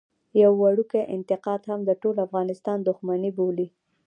يو وړوکی انتقاد هم د ټول افغانستان دښمني بولي.